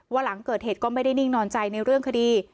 หลังเกิดเหตุก็ไม่ได้นิ่งนอนใจในเรื่องคดี